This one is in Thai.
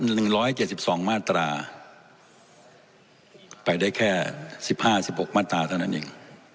หนึ่งร้อยเจ็ดสิบสองมาตราไปได้แค่สิบห้าสิบหกมาตราเท่านั้นเอง